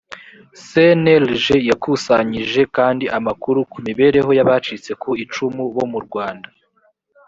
cnlg yakusanyije kandi amakuru ku mibereho y abacitse ku icumu bo mu rwanda